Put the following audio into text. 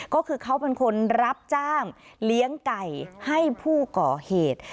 ก็คือเขาเป็นคนรับจ้างเลี้ยงไก่ให้ผู้ก่อเหตุ